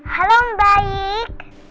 halo om baik